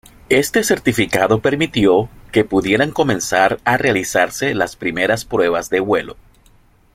Este certificado permitió que pudieran comenzar a realizarse las primeras pruebas de vuelo.